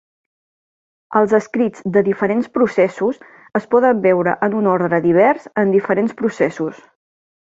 Els escrits de diferents processos es poden veure en un ordre divers en diferents processos.